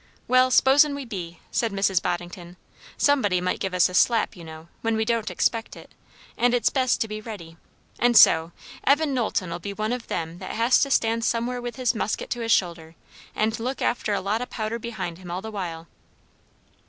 "Well, suppos'n we be," said Mrs. Boddington; "somebody might give us a slap, you know, when we don't expect it, and it's best to be ready; and so, Evan Knowlton'll be one o' them that has to stand somewhere with his musket to his shoulder, and look after a lot o' powder behind him all the while."